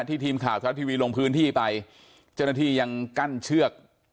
ทีมข่าวชาวรัฐทีวีลงพื้นที่ไปเจ้าหน้าที่ยังกั้นเชือก